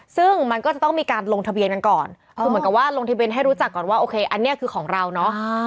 ซึ่งมันก็จะต้องมีการลงทะเบียนกันก่อนคือเหมือนกับว่าลงทะเบียนให้รู้จักก่อนว่าโอเคอันนี้คือของเราเนาะ